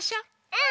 うん！